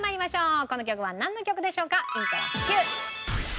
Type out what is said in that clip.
この曲はなんの曲でしょうか？